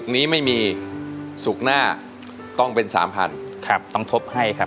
นี้ไม่มีศูกหน้าต้องเป็น๓๐๐๐บาทครับต้องทบให้ครับ